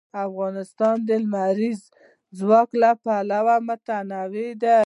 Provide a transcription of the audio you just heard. افغانستان د لمریز ځواک له پلوه متنوع دی.